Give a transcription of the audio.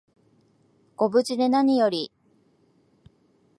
ご無事でなにより